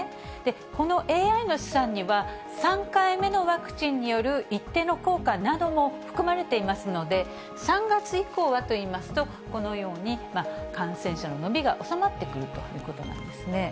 このＡＩの試算には、３回目のワクチンによる一定の効果なども含まれていますので、３月以降はといいますと、このように感染者の伸びが収まってくるということなんですね。